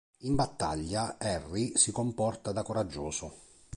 In battaglia, Harry si comporta da coraggioso.